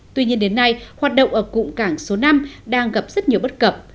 tuy nhiên đến nay hoạt động ở cụm cảng số năm đang gặp rất nhiều bất cập